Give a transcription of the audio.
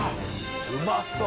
うまそう。